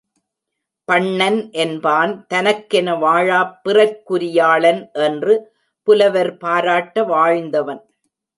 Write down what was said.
பண்ணன் என்பான் தனக்கென வாழாப் பிறர்க்குரியாளன் என்று புலவர் பாராட்ட வாழ்ந்தவன்.